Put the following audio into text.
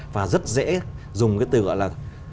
và rất dễ dùng cái từ gọi là